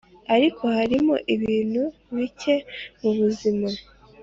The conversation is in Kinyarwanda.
ariko hariho ibintu bike mubuzima